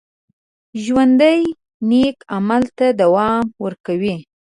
ژوندي نیک عمل ته دوام ورکوي